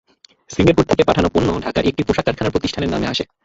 Singapore থেকে পাঠানো পণ্য ঢাকার একটি পোশাক কারখানার প্রতিষ্ঠানের নামে আসে।